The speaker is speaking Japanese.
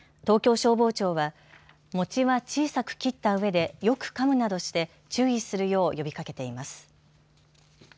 東京消防庁は餅は小さく切った上でよくかむなどして注意するよう呼びかけています。